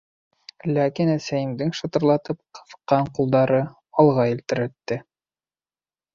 Ләкин әсәйемдең шытырлатып ҡыҫҡан ҡулдары алға елтерәтте.